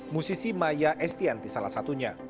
musisi maya estianti salah satunya